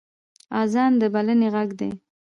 اذان د بلنې غږ دی